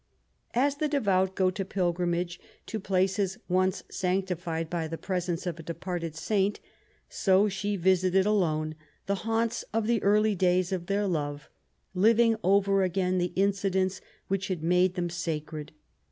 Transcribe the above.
As the devout go on pilgrimage to places once sanc tified by the presence of a departed saint, so she visited alone the haunts of the early days of their love, living over again the incidents which had made them sacred.